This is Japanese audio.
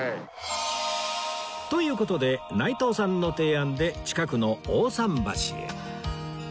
という事で内藤さんの提案で近くの大さん橋へ